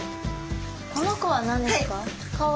この子は何ですか？